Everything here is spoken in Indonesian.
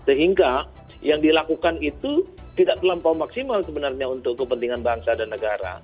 sehingga yang dilakukan itu tidak terlampau maksimal sebenarnya untuk kepentingan bangsa dan negara